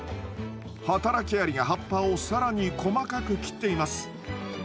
働きアリが葉っぱを更に細かく切っています。